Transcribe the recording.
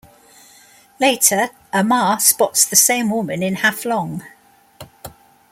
Later, Amar spots the same woman in Haflong.